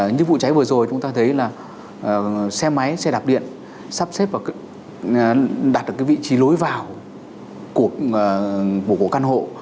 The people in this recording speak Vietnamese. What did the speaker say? như vụ trái vừa rồi chúng ta thấy là xe máy xe đạp điện sắp xếp và đặt được cái vị trí lối vào của căn hộ